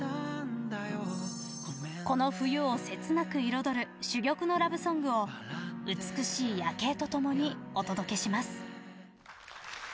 この冬を切なく彩る珠玉のラブソングを美しい夜景とともにお届けします。